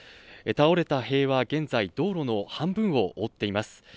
倒れた塀は現在、道路の半分を覆っています。